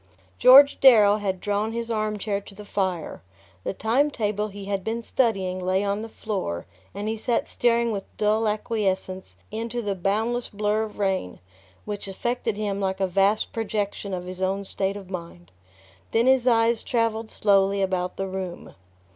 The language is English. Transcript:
George Darrow had drawn his armchair to the fire. The time table he had been studying lay on the floor, and he sat staring with dull acquiescence into the boundless blur of rain, which affected him like a vast projection of his own state of mind. Then his eyes travelled slowly about the room.